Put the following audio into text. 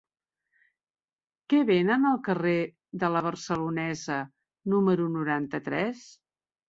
Què venen al carrer de La Barcelonesa número noranta-tres?